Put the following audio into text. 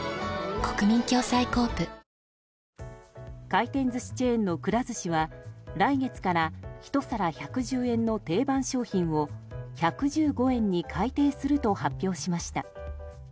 回転寿司チェーンのくら寿司は来月からひと皿１１０円の定番商品を１１５円に改定すると発表しました。